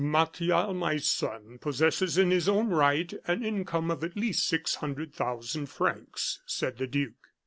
"Martial, my son, possesses, in his own right, an income of at least six hundred thousand francs," said the duke.